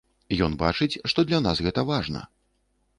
Ён бачыць, што для нас гэта важна.